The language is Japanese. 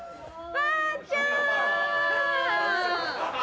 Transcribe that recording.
ばあちゃん！